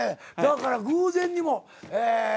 だから偶然にもええ